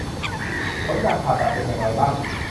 ผลการผ่าตัดเป็นอย่างไรบ้าง